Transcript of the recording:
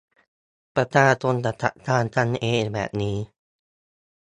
ประชาชนจะจัดการกันเองแบบนี้